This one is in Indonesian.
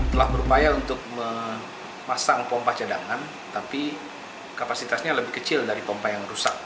telah berupaya untuk memasang pompa cadangan tapi kapasitasnya lebih kecil dari pompa yang rusak